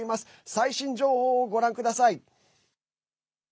最新情報をご覧ください。